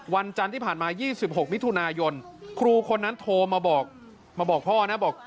วันจันทร์ที่ผ่านมา๒๖มิถุนายนครูคนนั้นโทรมาบอกมาบอกพ่อนะบอก